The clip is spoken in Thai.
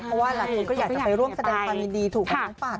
บ้านเหล่านี้ก็อยากจะไปใส่ร่วมแสดงความยินดีถูกต้องฝาก